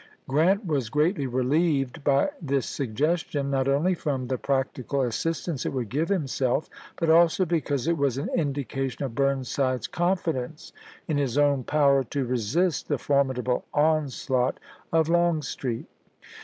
Grant was greatly relieved by this suggestion, not only from the practical as sistance it would give himself, but also because it was an indication of Burnside's confidence in his own power to resist the formidable onslaught of Longstreet.